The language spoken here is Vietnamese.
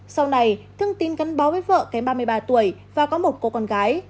sau này thương tín gắn bó với vợ cái ba mươi ba tuổi và có một cô con gái